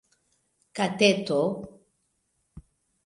kateto